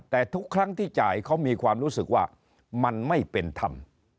แต่ทุกครั้งที่จ่ายเขามีความรู้สึกว่ามันไม่เป็นธรรม